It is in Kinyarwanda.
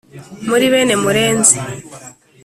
muri bene murenzi